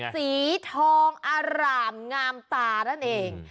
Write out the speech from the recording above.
สีทองอร่ามงามตานั่นเอง